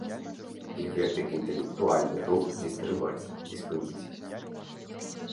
І гэты інтэлектуальны рух не стрымаць, не спыніць.